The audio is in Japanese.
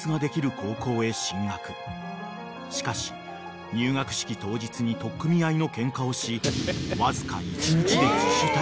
［しかし入学式当日に取っ組み合いのケンカをしわずか］